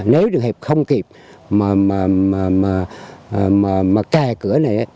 nếu được hiệp không kịp cài cửa này